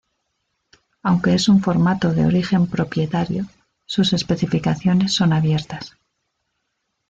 Aunque es un formato de origen propietario, sus especificaciones son abiertas.